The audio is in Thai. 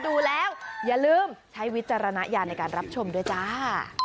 ดูแล้วอย่าลืมใช้วิจารณญาณในการรับชมด้วยจ้า